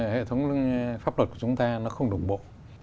hệ thống pháp luật của chúng ta nó không đồng bộ